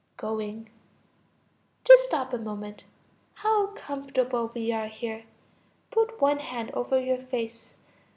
(Going.) Just stop a moment; how comfortable we are here! Put one hand over your face.